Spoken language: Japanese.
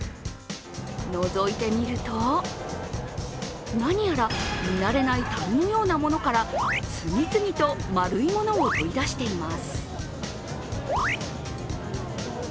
のぞいてみると、何やら見慣れないたるのようなものから次々と丸いものを取り出しています。